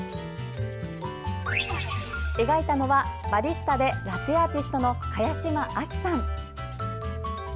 描いたのはバリスタでラテアーティストの茅島亜紀さん。